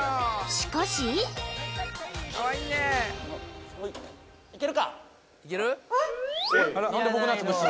しかしいけるか！？